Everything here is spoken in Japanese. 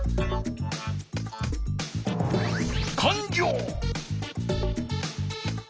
かんりょう！